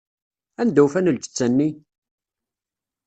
Anda ufan lǧetta-nni?